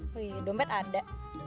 wih dompet ada